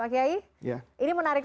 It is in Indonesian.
pak kiai ini menarik